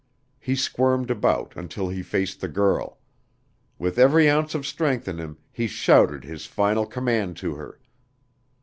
He squirmed about until he faced the girl. With every ounce of strength in him, he shouted his final command to her.